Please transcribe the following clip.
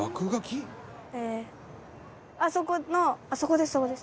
あそこのあっそこですそこです。